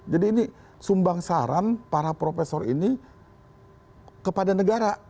jadi ini sumbang saran para profesor ini kepada negara